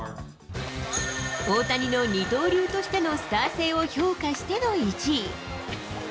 大谷の二刀流としてのスター性を評価しての１位。